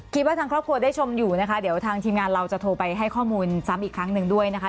คิดว่าทางครอบครัวได้ชมอยู่นะคะเดี๋ยวทางทีมงานเราจะโทรไปให้ข้อมูลซ้ำอีกครั้งหนึ่งด้วยนะคะ